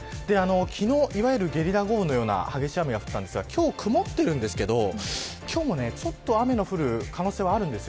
昨日、いわゆるゲリラ豪雨のような激しい雨が降ったんですが今日は曇っているんですけど今日もちょっと雨の降る可能性はあるんです。